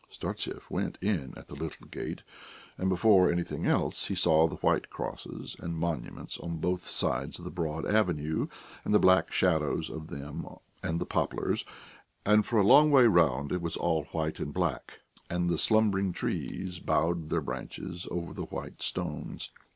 Startsev went in at the little gate, and before anything else he saw the white crosses and monuments on both sides of the broad avenue, and the black shadows of them and the poplars; and for a long way round it was all white and black, and the slumbering trees bowed their branches over the white stones.